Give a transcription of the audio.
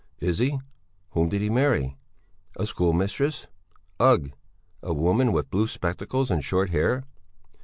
"Is he? Whom did he marry?" "A schoolmistress!" "Ugh! A woman with blue spectacles and short hair!"